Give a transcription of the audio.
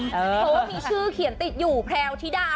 เพราะว่ามีชื่อเขียนติดอยู่แพรวธิดา